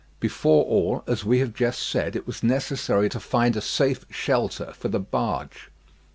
Before all, as we have just said, it was necessary to find a safe shelter for the barge.